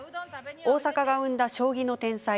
大阪が生んだ将棋の天才